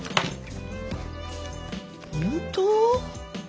本当？